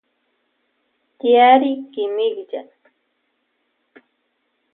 Tiyari kimilla.